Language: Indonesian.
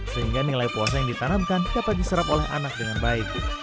sehingga nilai puasa yang ditanamkan dapat diserap oleh anak dengan baik